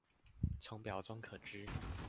從表中可知